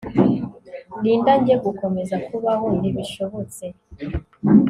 Linda njye gukomeza kubaho ntibishobotse